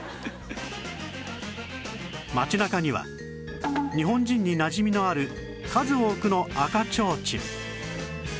街中には日本人になじみのある数多くの赤ちょうちん